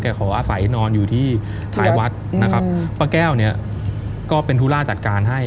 ขออาศัยนอนอยู่ที่ท้ายวัดนะครับป้าแก้วเนี่ยก็เป็นธุระจัดการให้